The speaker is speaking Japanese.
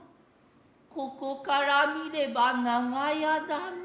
ここから視れば長屋だが。